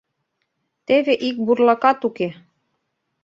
Теве ик бурлакат уке.